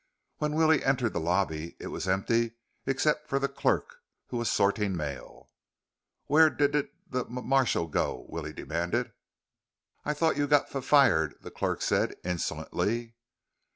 When Willie entered the lobby, it was empty except for the clerk, who was sorting mail. "Where d did the m marshal go?" Willie demanded. "I thought you got f f fired," the clerk said insolently.